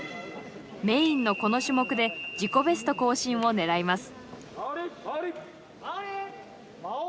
メインのこの種目で自己ベスト更新を狙います。